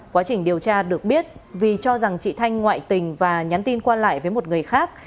quá trình điều tra được biết vì cho rằng chị thanh ngoại tình và nhắn tin qua lại với một người khác